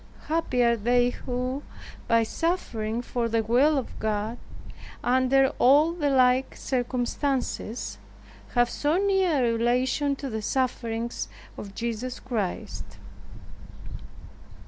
Happy they who by suffering for the will of God under all the like circumstances, have so near a relation to the sufferings of Jesus Christ!